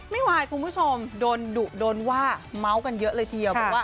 ไม่ไหวท์คุณผู้ชมโดนดุโดนว่าม้าวกันเยอะเลยทีเดียว